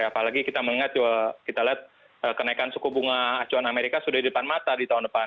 apalagi kita lihat kenaikan suku bunga acuan amerika sudah di depan mata di tahun depan